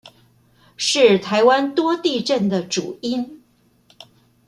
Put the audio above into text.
是台灣多地震的主因